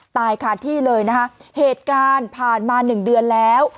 ตายขาดที่เลยนะคะเหตุการณ์ผ่านมาหนึ่งเดือนแล้ว